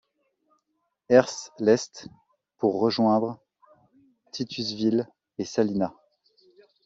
Ers l'est pour rejoindre Titusville et Salina.